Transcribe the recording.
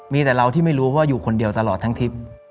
มีแต่เราที่ไม่รู้ว่าอยู่คนเดียวตลอดทั้งทิพย์